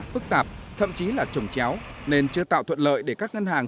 phức tạp thậm chí là trồng chéo nên chưa tạo thuận lợi để các ngân hàng